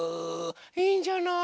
いいんじゃない？